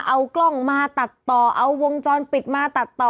เอากล้องมาตัดต่อเอาวงจรปิดมาตัดต่อ